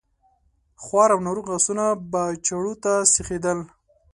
خوار او ناروغ آسونه به چړو ته سيخېدل.